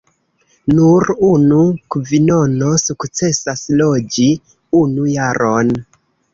Nur unu kvinono sukcesas loĝi unu jaron.